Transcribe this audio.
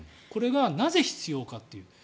これがなぜ必要かという。